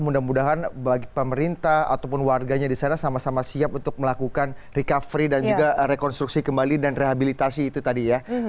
dan mudah mudahan bagi pemerintah ataupun warganya disana sama sama siap untuk melakukan recovery dan juga rekonstruksi kembali dan rehabilitasi itu tadi ya